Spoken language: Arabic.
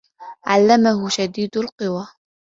عَلَّمَهُ شَديدُ القُوى